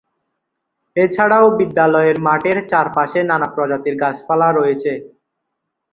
এছাড়াও বিদ্যালয়ের মাঠের চারপাশে নানা প্রজাতির গাছ-পালা রয়েছে।